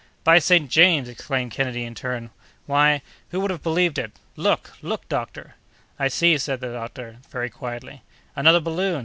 "By St. James!" exclaimed Kennedy, in turn, "why, who would have believed it? Look, look! doctor!" "I see it!" said the doctor, very quietly. "Another balloon!